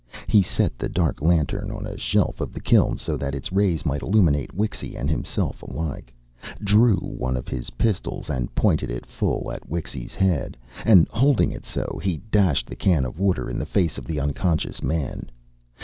He set the dark lantern on a shelf of the kiln, so that its rays might illuminate Wixy and himself alike, drew one of his pistols and pointed it full at Wixy's head, and holding it so, he dashed the can of water in the face of the unconscious man.